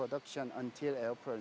oke jadi tahun depan eropa